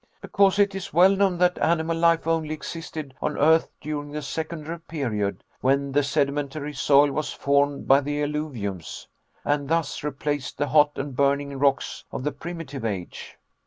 "Because it is well known that animal life only existed on earth during the secondary period, when the sedimentary soil was formed by the alluviums, and thus replaced the hot and burning rocks of the primitive age."